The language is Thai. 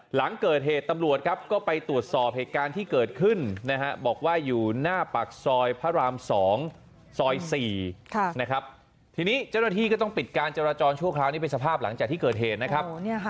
หลังเกิดเหตุตำรวจครับก็ไปตรวจสอบเหตุการณ์ที่เกิดขึ้นนะฮะบอกว่าอยู่หน้าปากซอยพระราม๒ซอย๔นะครับทีนี้เจ้าหน้าที่ก็ต้องปิดการจราจรชั่วคราวนี้เป็นสภาพหลังจากที่เกิดเหตุนะครับ